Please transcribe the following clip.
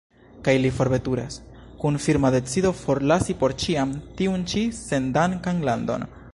Kaj li forveturas, kun firma decido forlasi por ĉiam tiun ĉi sendankan landon.